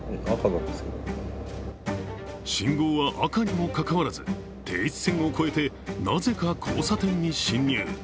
信号は赤にもかかわらず停止線を越えて、なぜか交差点に進入。